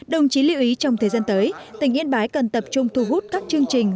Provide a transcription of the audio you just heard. đồng chí lưu ý trong thời gian tới tỉnh yên bái cần tập trung thu hút các chương trình